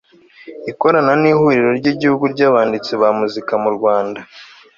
ikorana n'ihuriro ry'igihugu ry'abanditsi ba muzika mu rwanda